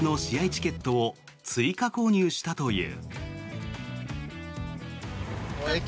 チケットを追加購入したという。